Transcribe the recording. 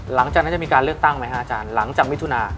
หลังจากนั้นจะมีการเลือกตั้งไหมฮะอาจารย์หลังจากมิถุนา